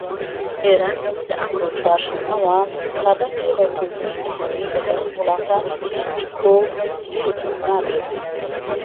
ئێران لە ئەمرۆ چوارشەممەوە پابەندی رێكەوتنی ئەتۆمی لەگەڵ وڵاتانی پێنج كۆ یەك نابێت